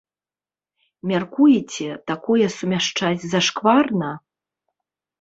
Мяркуеце, такое сумяшчаць зашкварна?